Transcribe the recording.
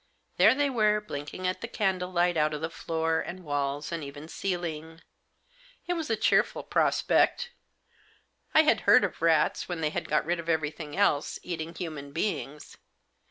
There they were, blinking at the candlelight out of the floor Digitized by THE BACK DOOR KEY. 67 and walls, and even celling. It was a cheerful prospect. I had heard of rats, when they had got rid of everything else, eating human beings.